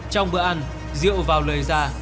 trong bữa ăn rượu vào lời ra